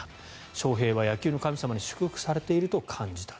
翔平は野球の神様に祝福されていると感じた。